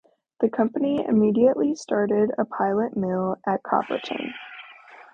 The company immediately started a pilot mill at Copperton.